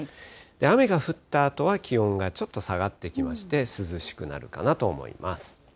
雨が降ったあとは、気温がちょっと下がってきまして、涼しくなるかなと思います。